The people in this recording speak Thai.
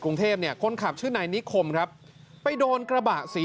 กรุงเทพเนี่ยคนขับชื่อนายนิคมครับไปโดนกระบะสี